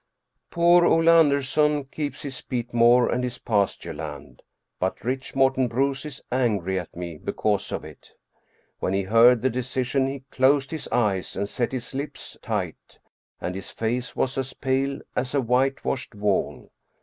Poor Ole Anderson keeps his peat moor and his pasture land, but rich Morten Bruus is angry at me because of it. When he heard the decision he closed his eyes and set his lips tight, and his face was as pale as a whitewashed wall.